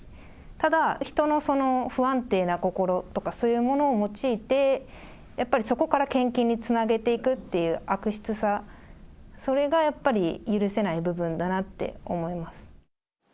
ただ、人の不安定な心とか、そういうものを用いて、やっぱりそこから献金につなげていくっていう悪質さ、それがやっぱり許せない部分だなって思います。